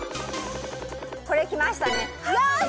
これきましたねよし！